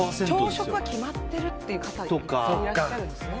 朝食が決まってるという方がいらっしゃるんですね。